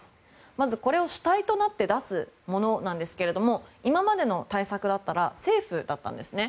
まずこれを主体となって出すものなんですが今までの対策だったら政府だったんですね。